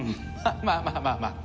まあまあまあまあまあ。